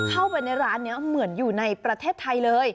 เข้าไปในร้านนี้เหมือนอยู่ในประเทศไทยเลย